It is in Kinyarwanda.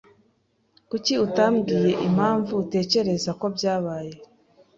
Kuki utambwiye impamvu utekereza ko byabaye?